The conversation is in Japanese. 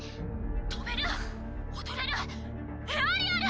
飛べる踊れるエアリアル！